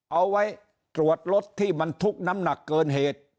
เอาไว้ตรวจรถที่บรรทุกน้ำหนักเกินเหตุ